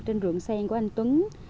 trên ruộng sen của anh tuấn